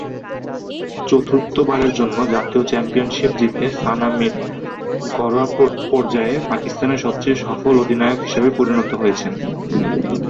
চতুর্থবারের জন্য জাতীয় চ্যাম্পিয়নশিপ জিতে সানা মীর ঘরোয়া পর্যায়ে পাকিস্তানের সবচেয়ে সফল অধিনায়ক হিসেবে পরিণত হয়েছেন।